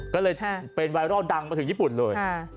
ก็เลยเป็นไวรัลดังมาถึงญี่ปุ่นเลย